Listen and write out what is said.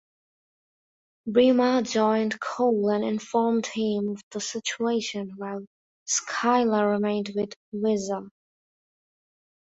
Bremer joined Cole and informed him of the situation while "Scylla" remained with "Weser".